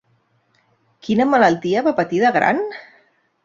Quina malaltia va patir de gran?